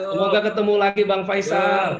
semoga ketemu lagi bang faisal